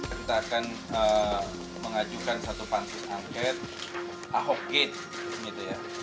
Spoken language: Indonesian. kita akan mengajukan satu pansus angket ahok gate